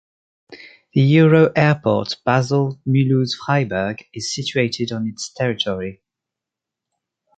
The EuroAirport Basel-Mulhouse-Freiburg is situated on its territory.